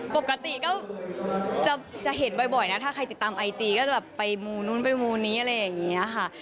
ปกติก็จะเห็นบ่อยนะถ้าใครติดตามไอจีก็จะแบบไปมูนู้นไปมูนี้อะไรอย่างนี้ค่ะ